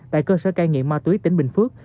tại cơ sở cai nghiện ma túy tỉnh bình phước